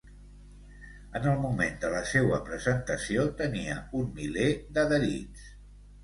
En el moment de la seua presentació tenia un miler d'adherits.